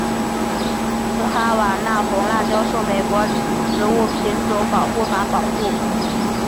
此哈瓦那红辣椒受美国植物品种保护法保护。